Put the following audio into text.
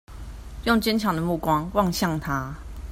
用堅強的目光望向他